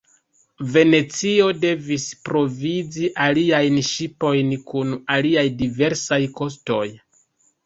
Venecio devis provizi aliajn ŝipojn kun aliaj diversaj kostoj.